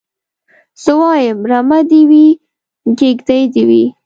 زه وايم رمه دي وي کيږدۍ دي وي